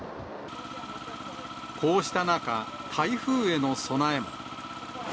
こうした中、台風への備えも。